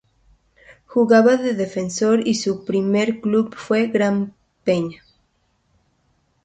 Jugaba de defensor y su primer club fue Gran Peña.